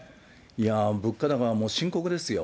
いやー、物価高も深刻ですよ。